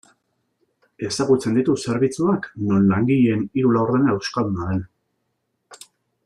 Ezagutzen ditut zerbitzuak non langileen hiru laurdena euskalduna den.